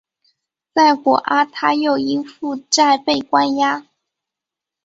在果阿他又因负债被关押。